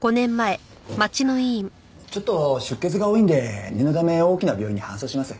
ちょっと出血が多いんで念のため大きな病院に搬送します。